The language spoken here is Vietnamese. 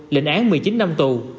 lệnh án một mươi chín năm tù